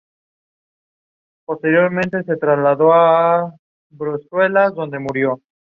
Fue el segundo hijo conocido de Duncan I de Escocia.